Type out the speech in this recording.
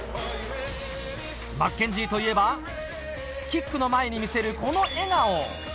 マッケンジーといえばキックの前に見せるこの笑顔。